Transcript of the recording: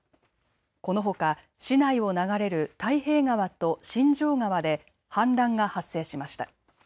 このほか市内を流れる太平川と新城川で氾濫が発生しました。